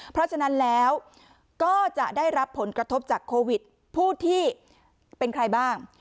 เพราะฉะนั้นแล้วก็จะได้รับผลกระทบจากโควิดผู้ที่เป็นใครบ้าง